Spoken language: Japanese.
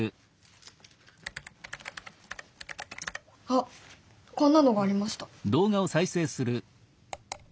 あっこんなのがありました。